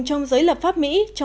trong giới lập pháp mỹ